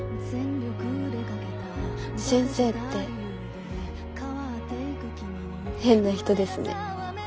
先生って変な人ですね。